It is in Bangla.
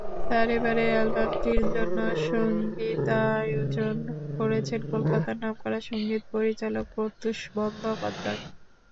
তাঁর এবারের অ্যালবামটির জন্য সংগীতায়োজন করছেন কলকাতার নামকরা সংগীত পরিচালক প্রত্যুষ বন্দ্যোপাধ্যায়।